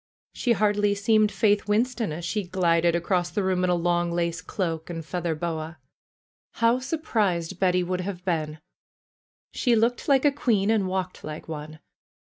She hardly seemed Faith Winston as she glided across the room in a long lace cloak and feather boa. How surprised Betty would have been ! She looked like a queen and walked like one.